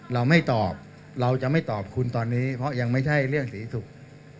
เราไม่ตอบเราจะไม่ตอบคุณตอนนี้เพราะยังไม่ใช่เรื่องศรีศุกร์